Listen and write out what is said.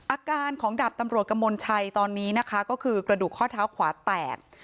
อาการของดาบตำรวจกมลชัยตอนนี้นะคะก็คือกระดูกข้อเท้าขวาแตก